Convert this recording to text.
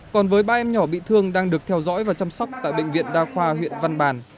còn với ba em nhỏ bị thương đang được theo dõi và chăm sóc tại bệnh viện đa khoa huyện văn bàn